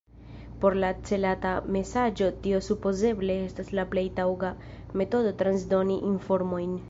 Por la celata mesaĝo tio supozeble estas la plej taŭga metodo transdoni informojn.